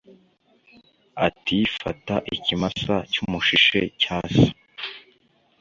ati fata ikimasa cy'umushishe cya so